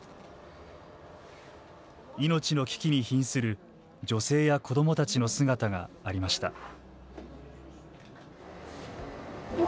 命の危機にひんする女性や子どもたちの姿がありました。